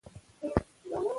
د قانون تطبیق نظم ساتي